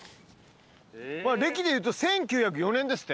歴でいうと１９０４年ですって。